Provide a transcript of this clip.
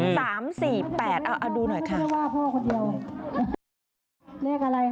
หยิบ๓ครั้ง๓๔๘อ่าดูหน่อยค่ะ